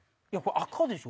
赤でしょ！